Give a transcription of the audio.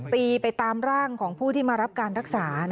ตีไปตามร่างของผู้ที่มารับการรักษา